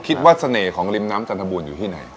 คิดว่าเสน่ห์ของริมน้ำจานทบุรีอยู่ที่ไหน